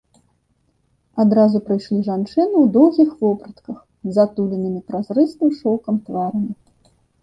Адразу прыйшлі жанчыны ў доўгіх вопратках, з затуленымі празрыстым шоўкам тварамі.